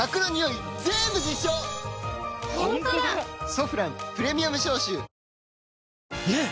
「ソフランプレミアム消臭」ねえ‼